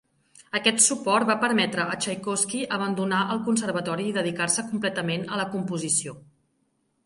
Aquest suport va permetre a Txaikovski abandonar el conservatori i dedicar-se completament a la composició.